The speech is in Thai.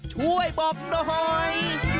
ช่วยบอกหน่อย